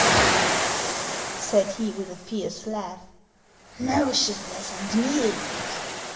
" What !" said he, with a fierce laugh, " motionless and mute.